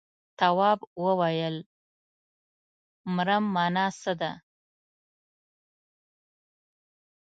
تواب وويل: مرم مانا څه ده.